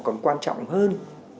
còn quan trọng hơn